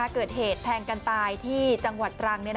เกิดเหตุแทงกันตายที่จังหวัดตรัง